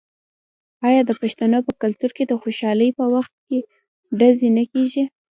آیا د پښتنو په کلتور کې د خوشحالۍ په وخت ډزې نه کیږي؟